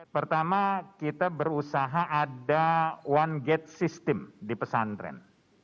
pertama kita berusaha ada one gate system di pesantren